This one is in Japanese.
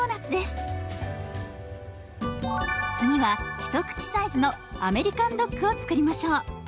次は一口サイズのアメリカンドッグを作りましょう。